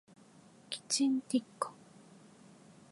チキンティッカ